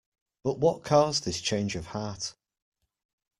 But what caused this change of heart?